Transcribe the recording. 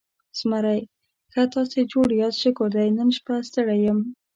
زمری: ښه، تاسې جوړ یاست؟ شکر دی، نن شپه ستړی یم.